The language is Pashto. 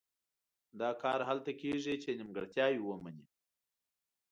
دا کار هله کېږي چې نیمګړتیاوې ومني.